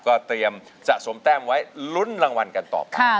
ก็เตรียมสะสมแต้มไว้ลุ้นรางวัลกันต่อไป